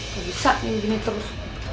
gak bisa ini gini terus